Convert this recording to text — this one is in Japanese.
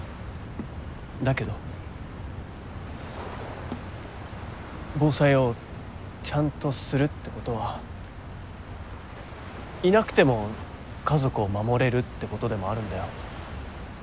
だけど防災をちゃんとするってことはいなくても家族を守れるってことでもあるんだよ。